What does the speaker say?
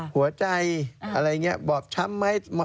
หัวใจบอบช้ำไหม